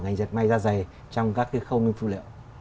ngành giật may da dày trong các cái khâu nguyên phụ liệu